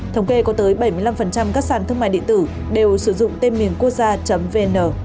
thống kê có tới bảy mươi năm các sàn thương mại điện tử đều sử dụng tên miền quốc gia vn